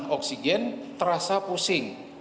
oksigen terasa pusing